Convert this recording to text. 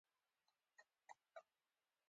ایا زه باید وصیت وکړم؟